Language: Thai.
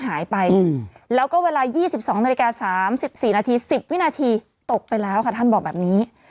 หายไปแล้วก็เวลา๒๒นาฬิกา๓๔นาที๑๐วินาทีตกไปแล้วค่ะท่านบอกแบบนี้